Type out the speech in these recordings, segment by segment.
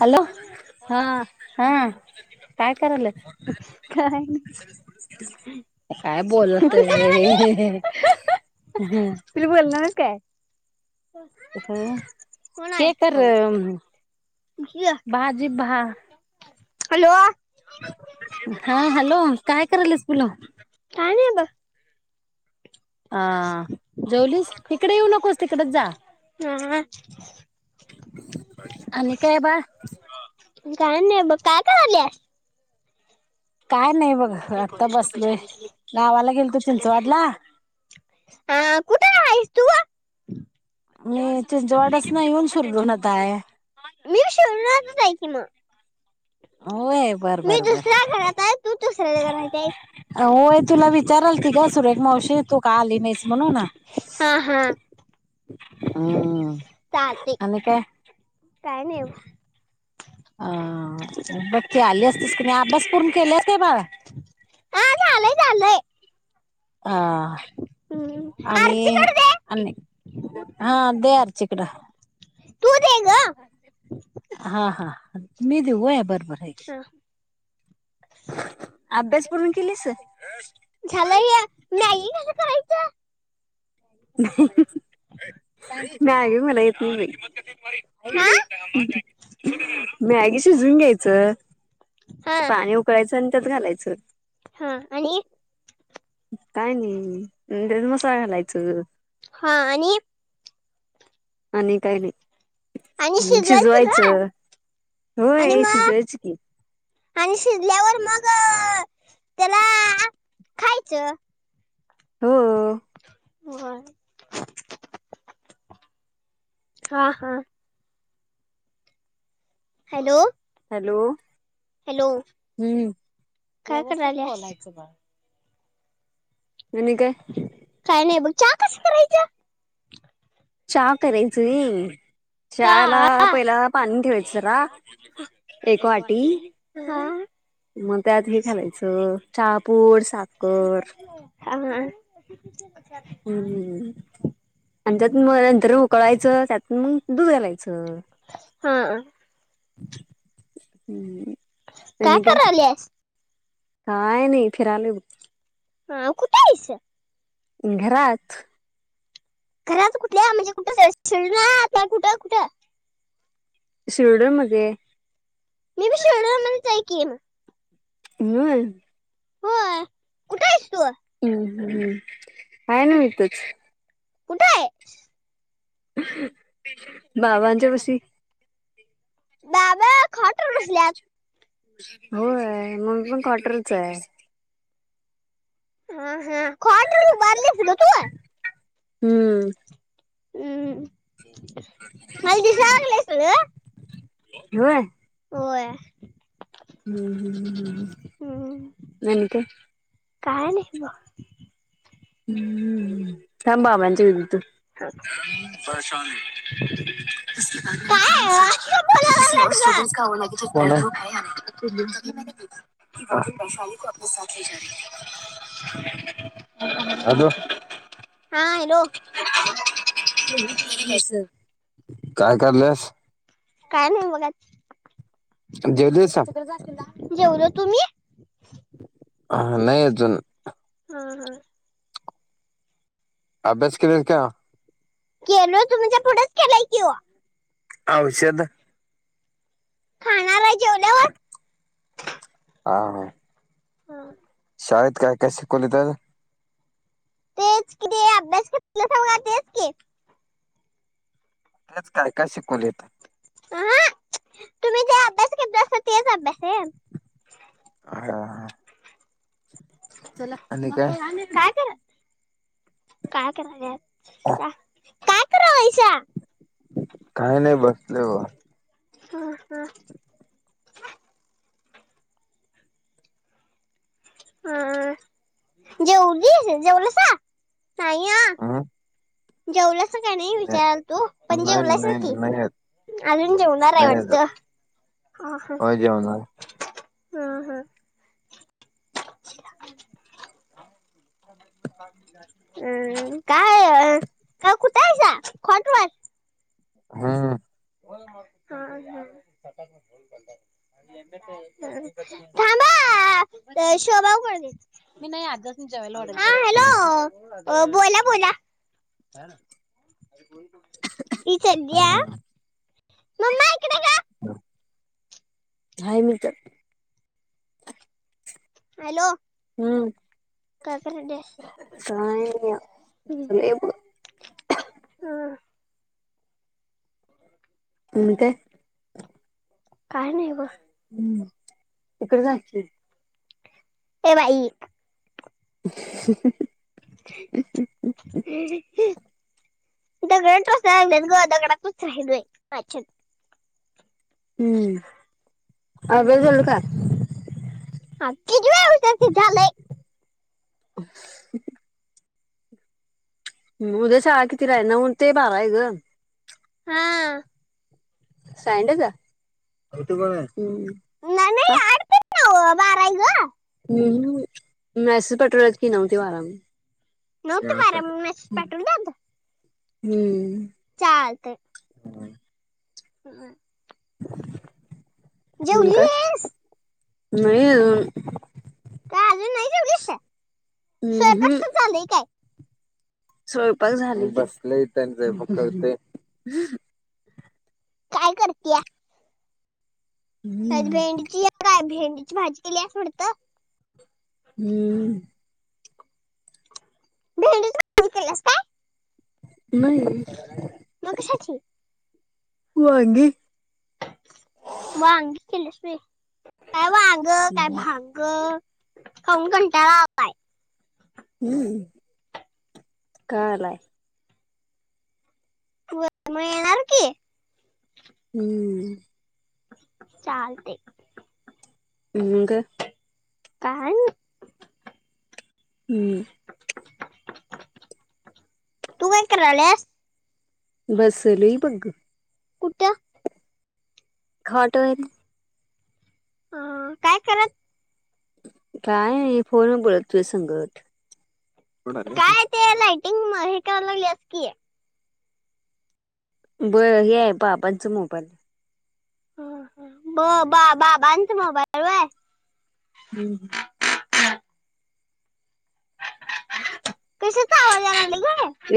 Hello हा हा, हा काय कराल्यास? काय काय बोलते ग हे तुला बोलणारच काय. हो हे नाही करं. भाजीत भा. हॅलो. हा हॅलो काय करायंल्यास पिल्लु. काय नाही ब. हा जेवलीस इकडे येऊ नकोस. तिकडेच जा हा, आणि काय बाळ. ब काय कराल्यास? काय नाही बघ आता बसलोय गावाला गेलतो. चिंचवाडला. हा, कुठं आहेस [inaudible] मी चिंचवाडास न येऊन शिरढोनात हाय. मी बी शिरढोनात च आहे की मगं. होय बर बर बर, दुसऱ्या घरात आहे तू दुसऱ्या घरात आहेस होय. तुला विचारालती गं सुरेख मावशी, तू का आली नाहीस म्हणून. हा हा हम् चालते आणि काय काय नाही बघ. हा ह बगं की आली असतीस कनी आज. अभ्यास पूर्ण केल्यास काय बाळा? हा झालंय झालंय हा हम्म. आणि आरतीकडे दे अ हा दे आर्चीकडं. तू दे ग हा हा. मी देऊ होय बर बर. हे घे हा, अभ्यास पूर्ण केलीस? झालंय यं. मॅगी कस करायचं? मॅगी मला येत नाही हा बाई. मॅगी शिजवून घ्यायचं. हा पाणी उकळायचं. आणि त्यात घालायचं. हा आणि काय नाही त्यात मसाला घालायच. हा आणि आणि काही आणि नाही ग शिजवायचं. आणि होय मग शिजवायचं की. आणि शिजल्यावर मग त्याला खायच. हो. हा हा. हॅलो हॅलो हॅलो हम्म हळूच बोलायचं बाळ आणि काय? काय नाही बघ चहा कस करायच? चहा करायच आहे होय. का चहाला पहिला पाणी ठेवायच जरा एक वाटी हा मग त्यात हे घालायचं चहापूड, साखर हा [inaudible] [unintelligible] आणि जरा [unintelligible] सर्व उकळायचं त्यात मग दूध घालायचं. हा हम्म काय कराल्यास? काय नाही फिरालोय बघ. हा कुठे आहेस? घरात. घरात कुठल्या म्हणजे कुठस हाईस [unintelligible] कुठं कुठं? शिरडोन मदे. मी पण शोणू आणायला जाई. कील [unintelligible] होय. कुठे आहेस तू? [inaudible] हम्. हम्म काय नव तेच. कुट आहेस? बाबांच्या पशी. दादा खातर नसल्यात होय मं मी पण कॉटरच आहे. हा हा खॉट वर उभारलीस ग तू. हम्म. हम्म. माहिती सांगलीस ळ. व्हय. होय. [inaudible] हम्म नाही म्हणतो. काय नाही ब. हम्म. कायम बाबाच्या [unintelligible] [inaudible] [inaudible] [unintelligible] त काय असं का बोलायला लागलात ग की वक्न वैशाली को आपल्या सा [unintelligible] ह [unintelligible] हॅलो हा हॅलो [unintelligible] बसं काय करलेस काय नाही बघत देवद जेवलो तुम्ही ह नाही अजून हा हा अभ्यास केले का केलोय तूमच्या पुढंच केलोय कि औषध. खाणार हाय जेव. हा. हम. शाळेत काय काय शिकवलीत आज? तेच किती अभ्यास सा तेच की तेच काय काय शिकवलेत. अह तुम्ही जे अभ्यास घेतला असता तेच अभ्यास आहे हा हा. काय काय करा काय करालायसा? काही नाही बसले बग हम हा ह जेवलीस जेवलासा नाही हम्म जेवला. अस काही नाही विचारालतो पण नाही जेवलायसा नाही कि नाही अजून जेवणार आहे नाही आज वाटत ह होय जेवणार. हा हा हम् [inaudible] काय का कुठ कूठ आहेसा खाँट वर? हा थांबा शोभा आऊ कड देतो मी नाही आजा ला जेवायला वाढणार. हा हॅलो अ बोला बोला. ति स घ्या [unintelligible] हम्म. मम्मा ईकड य हाय मी तर. हॅलो हम्म. काय कराल्यास? काय नाही हम बसलोय बघ. हा. [inaudible] काय? काय नाही बग. हम्म इकडे जा की. ये बाई. [inaudible] [inaudible] दगड टोचालागल्यात ग दगडातच राहिलोय मागाच्यान. हम्म अभ्यास झाल का? किती वेळा विचारतेस झालय. [inaudible] उद्या शाळा कितीला हाय नऊ ते बारा आहे ग. हां. सायंडेद हम्म नाही का? हो बारा आहे ग मॅसेज पाठवल्यात की नऊ ते बारा म्हणून. नऊ ते बारा म्हणून मॅसेज पाठवल्यात? हम्म. चालतंय. [inaudible] [unintelligible] [inaudible] हम्म काय जेवलीस? नाही आजुन. का अजून नाही जेवलीस हम्म स्वयंपाक हम्म. तर चालू काय स्वयंपाक झाल की. काय करतीया? हम्म भेंडीची काय भेंडी भाजी केलीयास वाटतं? हम्म. भेंडीची भाजी केलियास काय? नाही मग कशाची? वांगी. वांगी केलीस व्हय. काय वांग काय भांग. खाऊन कंटाळा आलाय. हम्म का आलाय? म येणार की. हम्म. चालतय. ह ग काय नाही. हम्म तू काय करालियास? बस लेय बघ ग. कुठ? खोट वर. ह काय करत काय नाही फोन वर बोलत तुझा संगट. [unintelligible] इंग म हे कराय लागल्यात की. बरं हे आहे बाबांचा मोबाईल. ह ह ब बा बाबांच आहे होय हम्म हा तस का आवाज यालागलय ग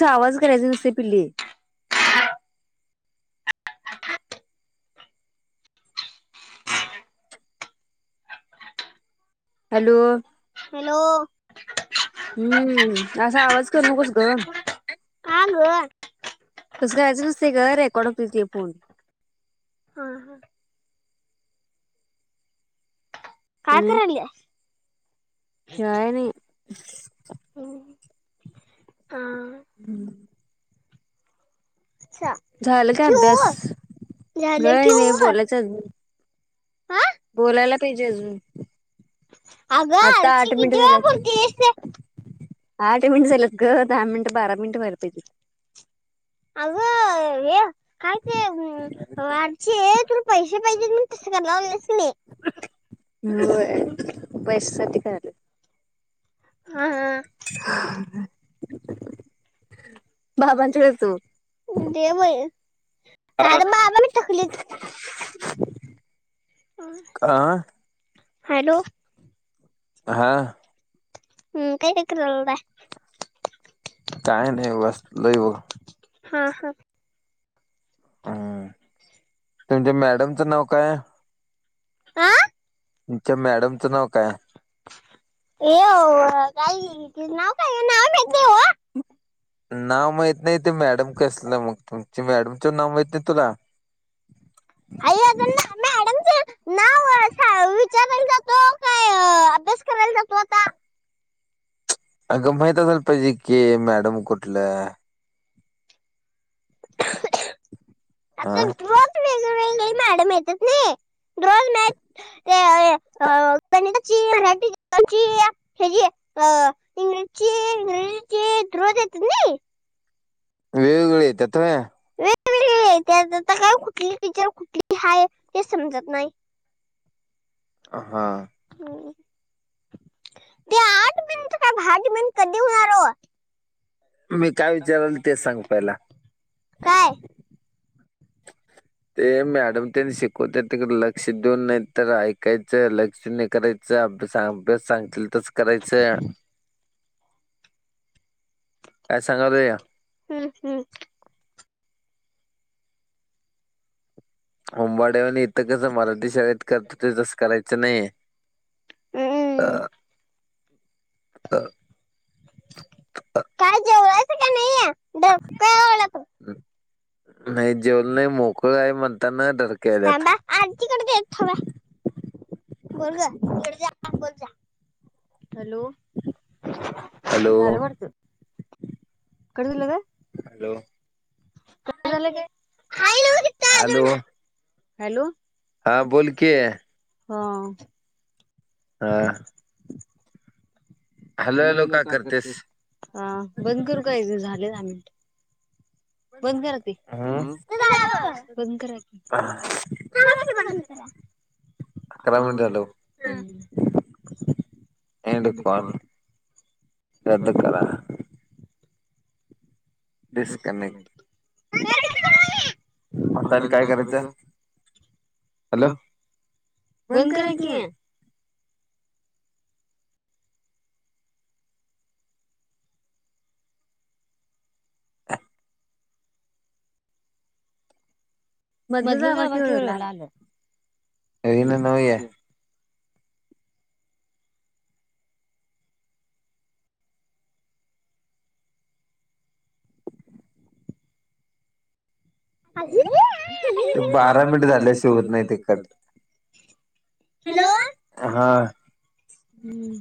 या आवाज करायच नसते पिल्ली हॅलो. हॅलो हम्म असा आवाज करु नकोस ग हा गं हा तस करायचं नसतय ग रेकॉर्ड होतय ते फोन हा हा काय आणि कराल्यास? काय नाही ह हम्म चा झालं काय अभ्यास? ठेवू झालं काय नाही ठेवू बोलायच अजुन हा बोलायला पाहिजे अजून अगं आता आर्ची आठ मिनिट किती झाल्यात वेळा आठ मिनिट झालेत ग दहा मिनिट बारा मिनिट व्हायला पाहिजेत. अगं हे काय ते आरचे तुला पैसे पाहिजेत म्हणून तसं कराल्यास होय पैशासाठी लोय ह हा हा बाबांच्याकडे देतो दे बाई काय हा रे बाबा मी थकलीच [inaudible] का? हॅलो. हा. हम्म काय काय करालाय? काय नाही बसलोय बग. हा हा. हम. तुमच्या मॅडमचं नाव काय? [unintelligible] तुमच्या मॅडमचं नाव काय? येव काय ग त नाव काय नाव? नाव म नाही ते मॅडम कसलं मग तुम मॅडम नाव माहित नाही तुला? आई अजून मॅडमचं नाव विचारायला जातो काय अभ्यास करायला जातो आता. अगं माहित असाल पाहिजे की मॅडम कुठलं? आता आह. रोज वेगवेगळी मॅडम येतात नाही रोज मॅथ हे गणिताची मराठीची ये जी आ इंग्लिश ची इंग्रजीची रोज येतात मी. वेगवेगळी येतात होय. सगळी त्यात आता काय कुठली टीचर कुठली आहे ते समजत नाही. हा. हम्म. ते आठ मिनट का भाट मिनट कधी होणार ओ मी काय विचारल तेच सांग पहिला. काय ते मॅडम त्यांनी शिकवतात. तिकड लक्ष देऊन नाही तर ऐकायचं लक्ष न करायचं अभ्या अभ्यास सांग. तल तरच करायचं. काय सांगालोय. हम्म हम्म. यूबाड्यावानीआणि इथं कसं मराठी शाळेत करतो तेच करायच. [unintelligible] हम्म ह. ह ह. काय जेवलायचं का नाहीये डोकं तू हम्. नाही जेवल नाही मोकळ काय म्हणताना डरकाळी आल्यात. थांबा आजीकडे दे थोडा बोल ग बोल जा बोल जा बोल जा. हॅलो हॅलो झाल वाटतं? कट झाला काय हॅलो कट झाला काय हाय नव्ह इथं अजून हॅलो हॅलो. हा बोल कि हा. हा. हॅलो हॅलो का करते बंद करू का झाले आ. बंद करते. अकरा मिनिट झालो एंड कॉल रद्द करा. डिस्कनेक्ट आता काय करायचं हॅलो बंद करा कि ह [inaudible] [unintelligible] मधलं दाबा कि की वरलं आलं ईना नव हे. बारा मिनट झाल्याशिवाय होत नाही ते कट. हॅलो हा हम्म.